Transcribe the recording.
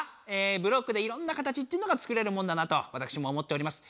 ブロックでいろんな形っていうのが作れるもんだなとわたくしも思っております。